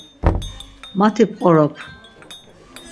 Mati p̌qorop.